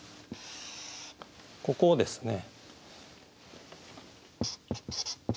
ここをですね。